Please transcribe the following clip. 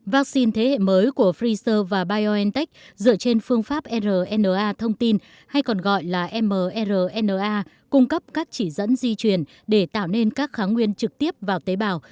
vaccine thế hệ mới của pfizer và biontech dựa trên phương pháp rna thông tin hay còn gọi là mrna cung cấp các chỉ dẫn di truyền để tạo nên các kháng nguyên trực tiếp vào tế bào